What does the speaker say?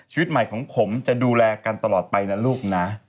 ชีวิตใหม่ของผมจะดูแลกันตลอดไปนะลูกนะ